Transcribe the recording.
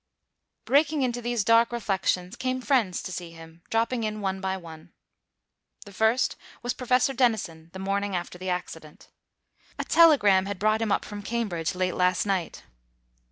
Breaking into these dark reflections came friends to see him, dropping in one by one. The first was Professor Denison, the morning after the accident. A telegram had brought him up from Cambridge, late last night.